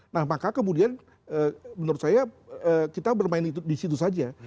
nah maka kemudian menurut saya kita bermain di situ saja